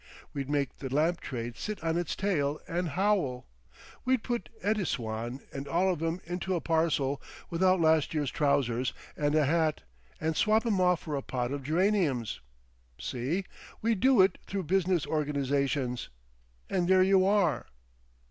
We'd make the lamp trade sit on its tail and howl. We'd put Ediswan and all of 'em into a parcel without last year's trousers and a hat, and swap 'em off for a pot of geraniums. See? We'd do it through Business Organisations, and there you are!